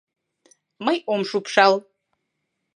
Мый ом шупшал.